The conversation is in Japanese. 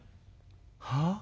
「はあ？